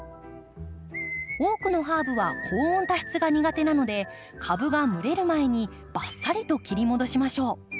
多くのハーブは高温多湿が苦手なので株が蒸れる前にバッサリと切り戻しましょう。